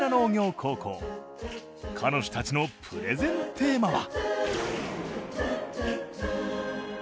彼女たちのプレゼンテーマは？